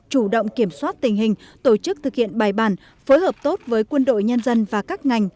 chủ động kiểm soát tình hình tổ chức thực hiện bài bản phối hợp tốt với quân đội nhân dân và các ngành